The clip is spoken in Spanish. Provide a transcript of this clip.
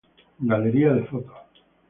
Galería de Fotos